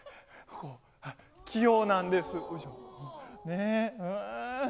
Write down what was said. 器用なんです。